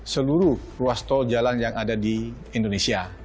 seluruh ruas tol jalan yang ada di indonesia